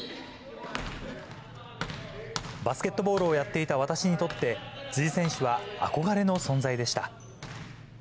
バスケットボールをやっていた私にとって、辻選手は憧れの存在でした。